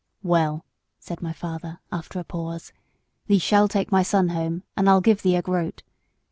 "Well," said my father, after a pause, "thee shall take my son home, and I'll give thee a groat.